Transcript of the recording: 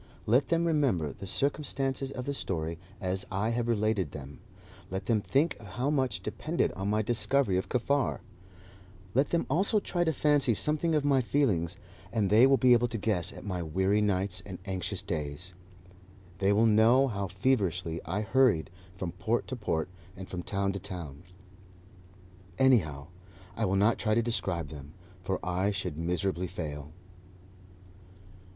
Let them remember the circumstances of the story as I have related them, let them think of how much depended on my discovery of Kaffar, let them also try to fancy something of my feelings, and then they will be able to guess at my weary nights and anxious days, they will know how feverishly I hurried from port to port and from town to town. Anyhow, I will not try to describe them, for I should miserably fail.